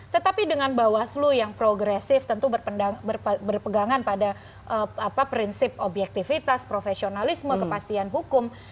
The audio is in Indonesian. tetapi dengan bawaslu yang progresif tentu berpegangan pada prinsip objektivitas profesionalisme kepastian hukum